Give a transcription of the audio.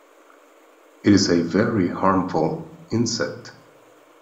It is a very harmful insect.